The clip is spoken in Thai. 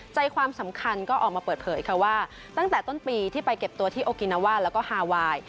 ใจความสำคัญก็ออกมาเปิดเผยค่ะว่าตั้งแต่ต้นปีที่ไปเก็บตัวที่โอกินาวาแล้วก็ฮาไวน์